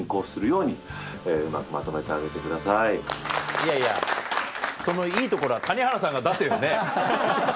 いやいやそのいいところは谷原さんが出せよねぇハハハハ。